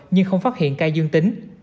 nhưng không phát hiện ca dương tính